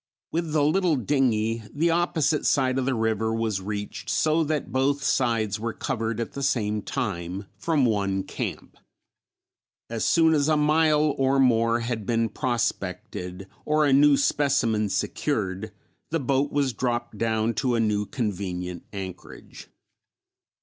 With the little dingey the opposite side of the river was reached so that both sides were covered at the same time from one camp. As soon as a mile or more had been prospected or a new specimen secured, the boat was dropped down to a new convenient anchorage.